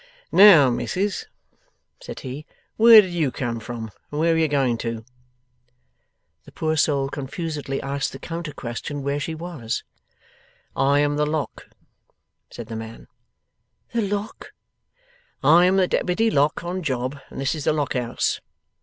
'Now, Missis,' said he; 'where did you come from and where are you going to?' The poor soul confusedly asked the counter question where she was? 'I am the Lock,' said the man. 'The Lock?' 'I am the Deputy Lock, on job, and this is the Lock house.